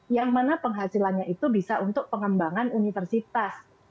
yang mana penghasilannya itu bisa untuk pengembangan universitas